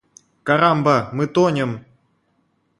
Карамба! Мы тонем!